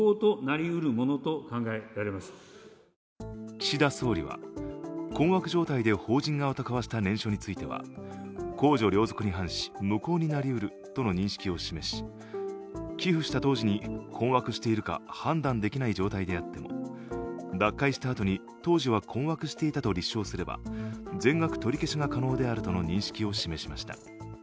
岸田総理は困惑状態で法人側と交わした念書については公序良俗に反し無効となりうるとの認識を示し寄付した当時に困惑しているか判断できない状態であっても脱会したあとに当時は困惑していたと立証すれば全額取り消しが可能であるとの認識を示しました。